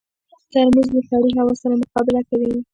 ترموز له سړې هوا سره مقابله کوي.